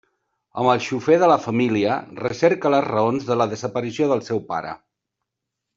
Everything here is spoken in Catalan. Amb el xofer de la família, recerca les raons de la desaparició del seu pare.